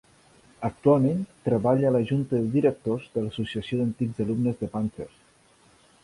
Actualment treballa a la junta de directors de l'associació d'antics alumnes de Panthers.